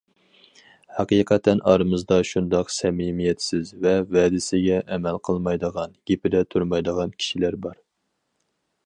ھەقىقەتەن ئارىمىزدا شۇنداق سەمىمىيەتسىز ۋە ۋەدىسىگە ئەمەل قىلمايدىغان، گېپىدە تۇرمايدىغان كىشىلەر بار.